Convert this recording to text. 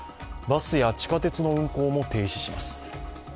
バスや地下鉄の運行も停止します。